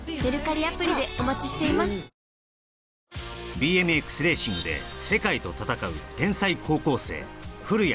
ＢＭＸレーシングで世界と戦う天才高校生古家